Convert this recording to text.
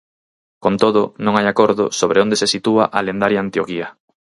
Con todo, non hai acordo sobre onde se sitúa a lendaria Antioquía.